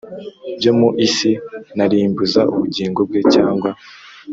Byo mu isi narimbuza ubugingo bwe cyangwa